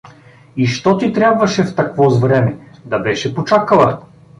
И що ти трябаше в таквоз време, да беше почакала.